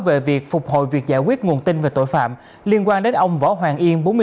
về việc phục hội việc giải quyết nguồn tin về tội phạm liên quan đến ông võ hoàng yên